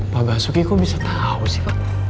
pak basuki kok bisa tahu sih pak